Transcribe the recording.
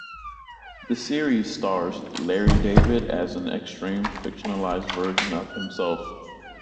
The series stars Larry David as an extreme fictionalized version of himself.